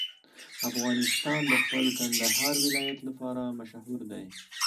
افغانستان د خپل کندهار ولایت لپاره مشهور دی.